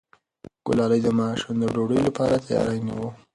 ګلالۍ د ماښام د ډوډۍ لپاره تیاری نیوه.